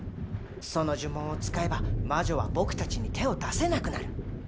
その呪文を使えば魔女は僕たちに手を出せなくなる。